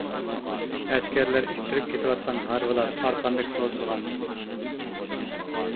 ئەسكەرلەر ئىتتىرىپ كېتىۋاتقان ھارۋىلار ئارقاندەك سوزۇلغانىدى.